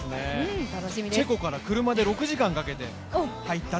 チェコから車で６時間かけて入ったと。